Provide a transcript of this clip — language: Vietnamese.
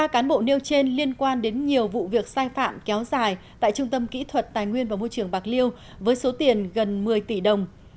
ba cán bộ nêu trên liên quan đến nhiều vụ việc sai phạm kéo dài tại trung tâm kỹ thuật tài nguyên và môi trường bạc liêu với số tiền gần một mươi tỷ đồng